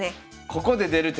ここで出る手？